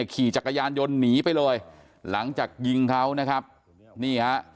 ขี่จักรยานยนต์หนีไปเลยหลังจากยิงเขานะครับนี่ฮะ